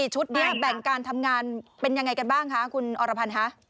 ชุดนี้แบ่งการทำงานเป็นยังไงกันบ้างคะคุณอรพันธ์คะ